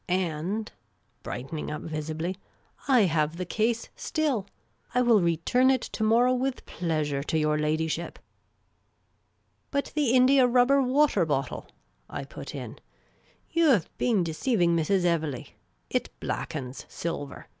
And," brightening up visibly, " I have the case still ; I will return it to morrow with pleasure to your ladyship !"" But the india rubber water bottle ?" I put in. *' You have been deceiving Mrs. Evelegh. It blackens silver.